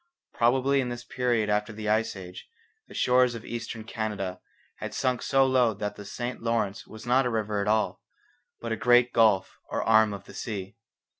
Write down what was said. Probably in this period after the Ice Age the shores of Eastern Canada had sunk so low that the St Lawrence was not a river at all, but a great gulf or arm of the sea.